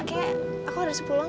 kayaknya aku harus pulang